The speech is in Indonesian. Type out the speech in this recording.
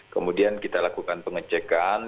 kemudian kita lakukan pengecekan